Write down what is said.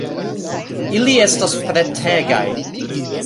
Ili estas pretegaj